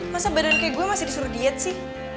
masa badan kayak gue masih disuruh diet sih